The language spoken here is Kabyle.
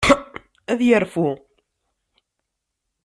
Ad yerfu.